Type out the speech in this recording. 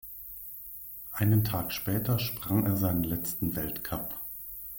Einen Tag später sprang er seinen letzten Weltcup.